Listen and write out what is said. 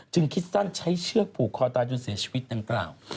คิดสั้นใช้เชือกผูกคอตายจนเสียชีวิตดังกล่าว